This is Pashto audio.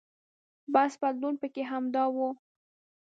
بس بدلون پکې همدا و.